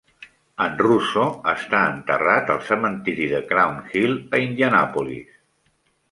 En Russo està enterrat al cementiri de Crown Hill a Indianapolis.